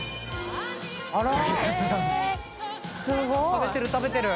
食べてる食べてる。